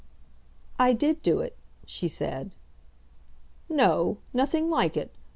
"I did do it," she said. "No; nothing like it.